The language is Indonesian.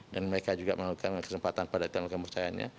dan mereka juga melakukan kesempatan pada kita melakukan percayaannya